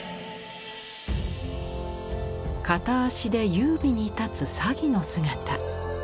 片足で優美に立つ鷺の姿。